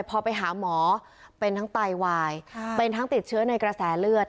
พอไปหาหมอเป็นทั้งไตวายเป็นทั้งติดเชื้อในกระแสเลือด